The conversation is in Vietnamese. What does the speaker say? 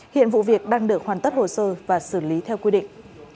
hiện vụ việc đang được hoàn tất hồ sơ và xử lý theo quy định